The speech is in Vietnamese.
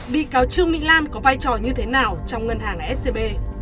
bị cáo trương mỹ lan có vai trò như thế nào trong ngân hàng scb